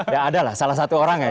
ya ada lah salah satu orang ya